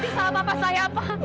apa sih salah papa saya pa